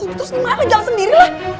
terus gimana jalan sendirilah